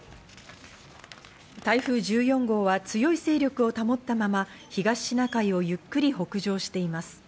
台風１４号は強い勢力を保ったまま東シナ海をゆっくり北上しています。